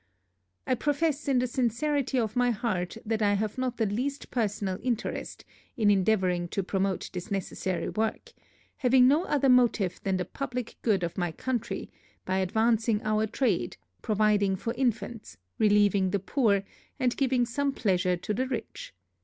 I profess in the sincerity of my heart, that I have not the least personal interest in endeavouring to promote this necessary work, having no other motive than the publick good of my country, by advancing our trade, providing for infants, relieving the poor, and giving some pleasure to the rich.